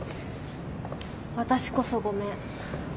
私こそごめん。